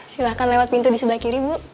silahkan lewat pintu di sebelah kiri bu